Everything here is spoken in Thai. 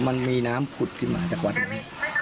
มันมีน้ำผุดขึ้นมาจากวัดนี้